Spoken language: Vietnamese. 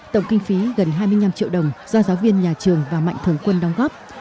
tổng kinh phí gần hai mươi năm triệu đồng do giáo viên nhà trường và mạnh thường quân đóng góp